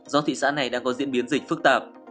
do thị xã này đang có diễn biến dịch phức tạp